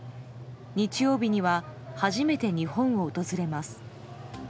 日曜日には初めて日本を訪れます。